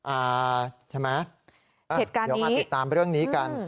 อ่าใช่ไหมเหตุการณ์นี้เดี๋ยวมาติดตามเรื่องนี้กัน